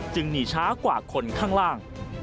หนีช้ากว่าคนข้างล่าง